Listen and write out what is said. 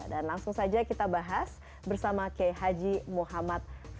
dan langsung saja kita bahas bersama k h m f